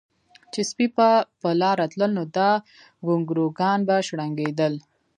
چې سپي به پۀ لاره تلل نو دا ګونګروګان به شړنګېدل